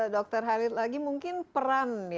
dr hari lagi mungkin peran